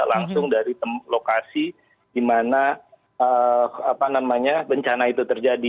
langsung dari lokasi di mana bencana itu terjadi